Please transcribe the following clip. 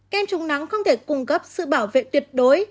ken chống nắng không thể cung cấp sự bảo vệ tuyệt đối